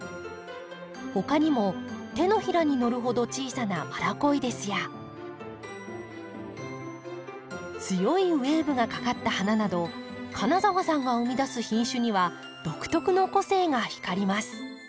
他にも手のひらにのるほど小さなマラコイデスや強いウエーブがかかった花など金澤さんが生み出す品種には独特の個性が光ります。